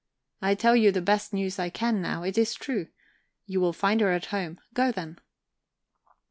I tell you the best news I can, now; it is true. You will find her at home go, then!"